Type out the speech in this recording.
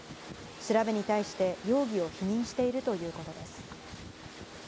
調べに対して、容疑を否認しているということです。